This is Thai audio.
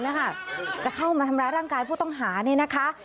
แล้วค่ะจะเข้ามาทำร้ายร่างกายผู้ต้องหาเนี่ยนะคะ